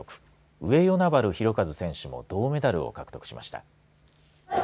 上与那原寛和選手も銅メダルを獲得しました。